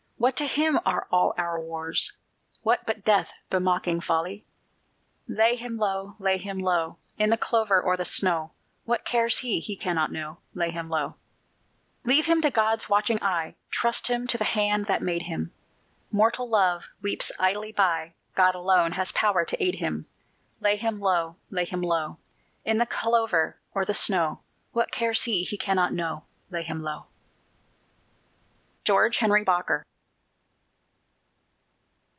What to him are all our wars, What but death bemocking folly? Lay him low, lay him low, In the clover or the snow! What cares he? he cannot know: Lay him low! Leave him to God's watching eye; Trust him to the hand that made him. Mortal love weeps idly by: God alone has power to aid him. Lay him low, lay him low, In the clover or the snow! What cares he? he cannot know: Lay him low! GEORGE HENRY BOKER.